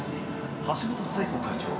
橋本聖子会長。